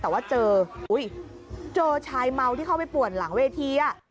แต่ว่าเจอเจอชายเมาที่เข้าไปป่วนหลังเวที